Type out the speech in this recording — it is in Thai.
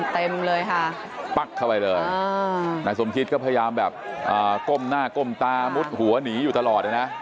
เต็มเลยค่ะปั๊กเข้าไปเลยนายสมคิดก็พยายามแบบก้มหน้าก้มตามุดหัวหนีอยู่ตลอดเลยนะ